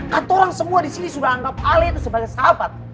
kata orang semua di sini sudah anggap kalian itu sebagai sahabat